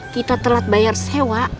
kita telat bayar sewa